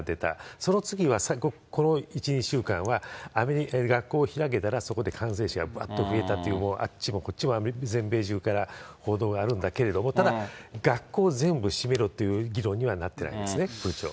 その次は、この１、２週間は、アメリカ、学校開いたらそこで感染者がばっと増えたという、あっちもこっちも全米中から報道があるんだけれども、ただ学校全部閉めろという議論にはなってないですね、風潮。